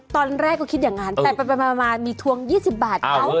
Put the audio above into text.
ตอนแรกก็คิดอย่างนั้นแต่ไปมามีทวง๒๐บาทเขา